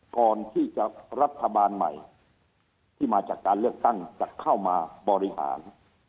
รัฐบาลใหม่ที่มาจากการเลือกตั้งจะเข้ามาบริหาร